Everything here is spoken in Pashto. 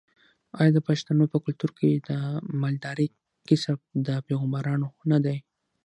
آیا د پښتنو په کلتور کې د مالدارۍ کسب د پیغمبرانو نه دی؟